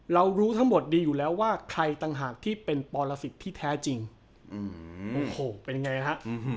รู้ทั้งหมดดีอยู่แล้วว่าใครต่างหากที่เป็นปรสิทธิ์ที่แท้จริงโอ้โหเป็นไงฮะ